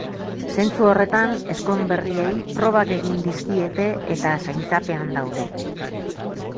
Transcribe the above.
Zentzu horretan, ezkonberriei probak egin dizkiete, eta zaintzapean daude.